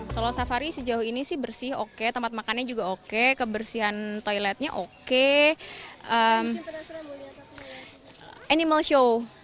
solo safari sejauh ini sih bersih oke tempat makannya juga oke kebersihan toiletnya oke animal show